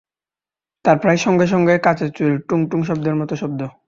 তার প্রায় সঙ্গে-সঙ্গেই কাঁচের চুড়ির টুং-টুং শব্দের মতো শব্দ।